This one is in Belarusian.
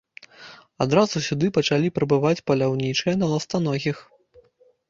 Адразу сюды пачалі прыбываць паляўнічыя на ластаногіх.